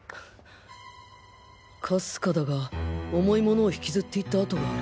微かだが重いものを引きずっていった跡がある